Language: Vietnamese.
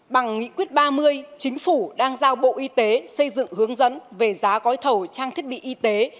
bằng nghị quyết ba mươi chính phủ đang giao bộ y tế xây dựng hướng dẫn về giá gói thầu trang thiết bị y tế